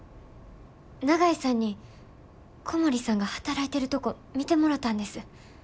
長井さんに小森さんが働いてるとこ見てもろたんです。